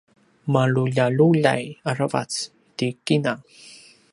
maluljaluljay aravac ti kina